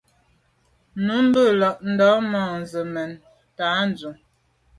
Nǔmmbə̂ nə làʼdə̌ mα̂nzə mɛ̀n tâ Dʉ̌’.